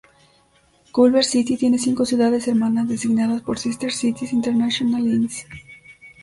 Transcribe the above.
Culver City tiene cinco ciudades hermanas, designadas por Sister Cities International, Inc.